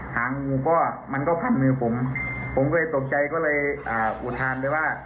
หางูก็มันก็พันมือผมผมก็เลยตกใจก็เลยอุทานไปว่า